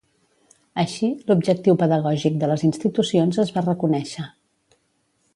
Així, l'objectiu pedagògic de les institucions es va reconèixer.